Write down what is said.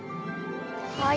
はい。